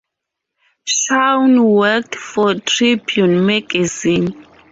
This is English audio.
Shaw worked for Tribune magazine.